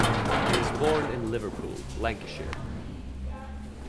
He was born in Liverpool, Lancashire.